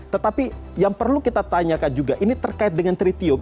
tetapi yang perlu kita tanyakan juga ini terkait dengan tritium